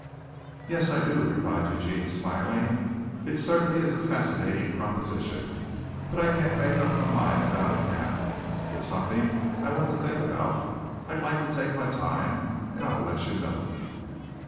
"Yes, I do," replied Eugene, smiling. "It certainly is a fascinating proposition. But I can't make up my mind about it now. It's something I want to think about. I'd like to take my time, and I'll let you know."